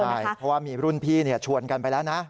ใช่เพราะว่ามีรุ่นพี่ชวนกันไปแล้วนะ